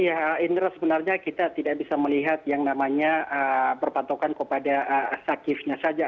ya indra sebenarnya kita tidak bisa melihat yang namanya berpatokan kepada sakitnya saja